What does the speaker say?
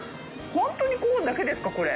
本当にコーンだけですか、これ。